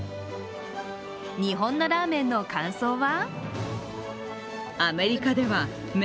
日本のラーメンの感想は？